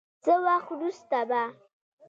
څه وخت وروسته به